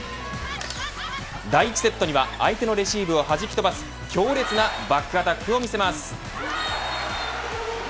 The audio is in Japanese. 第１セットには相手のレシーブをはじき飛ばす強烈なバックアタックを見せます。